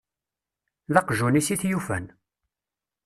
D aqjun-is i t-yufan.